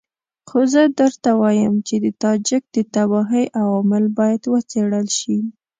خو زه درته وایم چې د تاجک د تباهۍ عوامل باید وڅېړل شي.